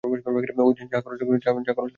যা খরচ লাগে আমরাই দেব।